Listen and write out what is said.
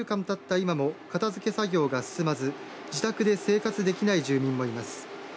今も片づけ作業が進まず自宅で生活できない住民もいます。